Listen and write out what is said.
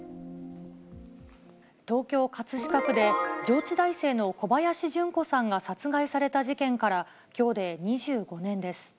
東京・葛飾区で、上智大生の小林順子さんが殺害された事件から、きょうで２５年です。